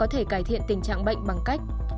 có thể cải thiện tình trạng bệnh bằng cách